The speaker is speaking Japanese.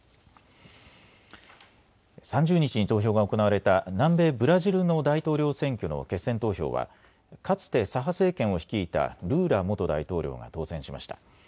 ３０日に投票が行われた南米ブラジルの大統領選挙の決選投票は、かつて左派政権を率いたルーラ元大統領が当選しました。